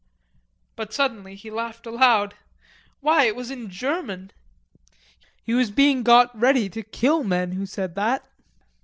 But suddenly he laughed aloud. Why, it was in German. He was being got ready to kill men who said that.